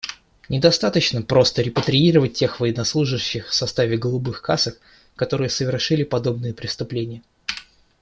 Недостаточно просто репатриировать тех военнослужащих в составе «голубых касок», которые совершили подобные преступления.